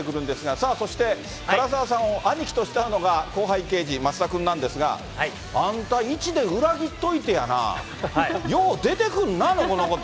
さあそして、唐沢さんを兄貴と慕うのが後輩刑事、増田君なんですが、あんた、１で裏切っといてやな、よう出てくんな、のこのこと。